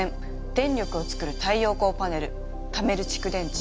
電力をつくる太陽光パネルためる蓄電池。